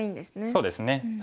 そうですね。